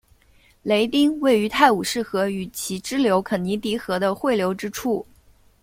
雷丁位于泰晤士河与其支流肯尼迪河的汇流之处。